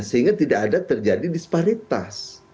sehingga tidak ada terjadi disparitas